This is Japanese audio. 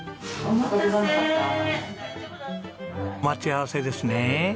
お待ち合わせですね。